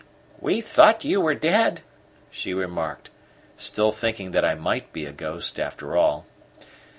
"We thought you were dead," she remarked, still thinking that I might be a ghost after all.